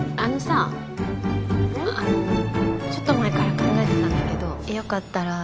ちょっと前から考えてたんだけどよかったら。